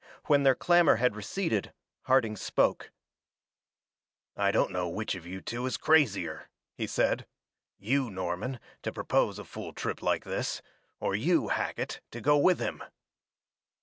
When their clamor had receded, Harding spoke: "I don't know which of you two is crazier," he said. "You, Norman, to propose a fool trip like this, or you, Hackett, to go with him."